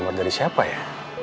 nomor dari siapa ya